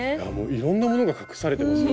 いろんなものが隠されてますよ